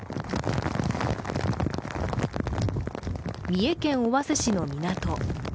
三重県尾鷲市の港。